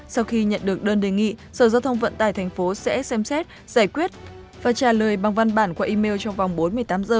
sau khi nhận được đơn đề nghị sở giao thông vận tải tp sẽ xem xét giải quyết và trả lời bằng văn bản qua email trong vòng bốn mươi tám h